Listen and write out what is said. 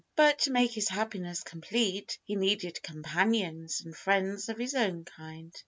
But to make his happiness complete he needed companions and friends of his own kind.